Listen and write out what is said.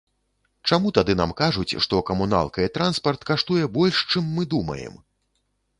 Чаму тады нам кажуць, што камуналка і транспарт каштуе больш, чым мы думаем?